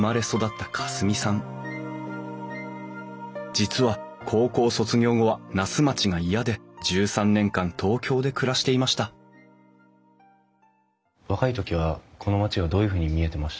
実は高校卒業後は那須町が嫌で１３年間東京で暮らしていました若い時はこの町がどういうふうに見えてました？